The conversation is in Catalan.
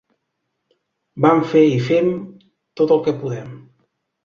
Vam fer i fem tot el que podem.